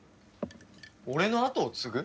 俺の後を継ぐ？